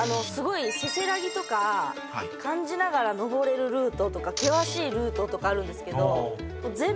すごいせせらぎとか感じながら登れるルートとか険しいルートとかあるんですけど。